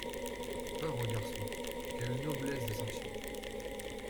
Pauvre garçon ! quelle noblesse de sentiments !